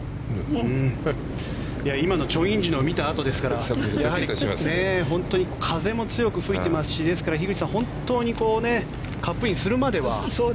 今、チョン・インジのを見たあとですから本当に風も強く吹いていますしですから、樋口さん本当にカップインするまでは。